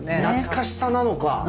懐かしさなのか。